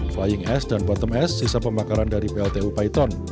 flying s dan bottom s sisa pembakaran dari pltu paiton